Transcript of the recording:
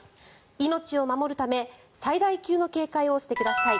命を守るため最大級の警戒をしてください。